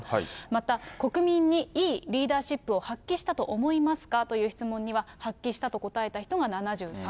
また、国民にいいリーダーシップを発揮したと思いますかという質問には、発揮したと答えた人が７３％。